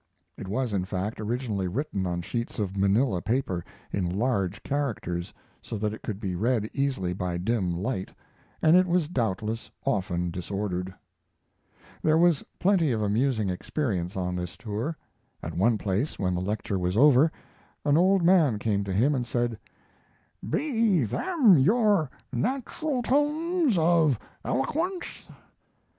It was, in fact, originally written on sheets of manila paper, in large characters, so that it could be read easily by dim light, and it was doubtless often disordered. There was plenty of amusing experience on this tour. At one place, when the lecture was over, an old man came to him and said: "Be them your natural tones of eloquence?"